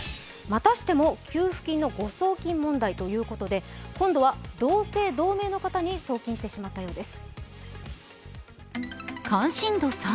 またしても給付金の誤送金問題ということで今度は同姓同名の方に送金してしまったようです。